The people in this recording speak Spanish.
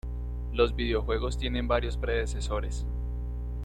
Los videojuegos tienen varios predecesores.